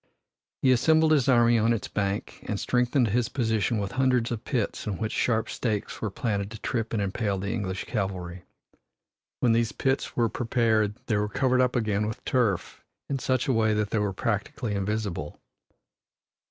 He assembled his army on its bank and strengthened his position with hundreds of pits in which sharp stakes were planted to trip and impale the English cavalry. When these pits were prepared they were covered up again with turf in such a way that they were practically invisible.